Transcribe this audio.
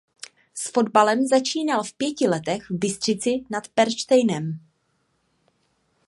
S fotbalem začínal v pěti letech v Bystřici nad Pernštejnem.